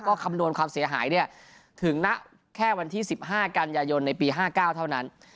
ก็คำนวณความเสียหายถึงณแค่วันที่๑๕กันยายนในปี๕๙เท่านั้น